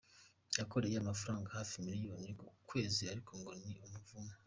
Yakoreye amafaranga hafi miliyoni ku kwezi ariko ngo ni umuvumo .